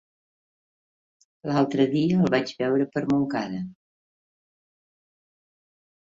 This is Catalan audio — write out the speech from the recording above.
L'altre dia el vaig veure per Montcada.